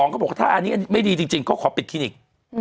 เขาบอกว่าถ้าอันนี้ไม่ดีจริงเขาขอปิดคลินิก